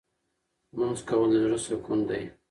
لمونځ کول د زړه سکون دی.